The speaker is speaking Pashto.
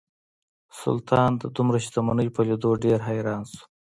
سلطان د دومره شتمنۍ په لیدو ډیر حیران شو.